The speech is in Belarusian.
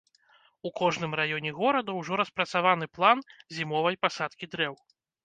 У кожным раёне горада ўжо распрацаваны план зімовай пасадкі дрэў.